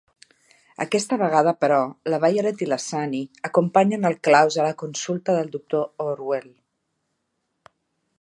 Aquesta vegada, però, la Violet i la Sunny acompanyen el Klaus a la consulta del doctor Orwell.